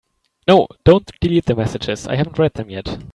No, don’t delete the messages, I haven’t read them yet.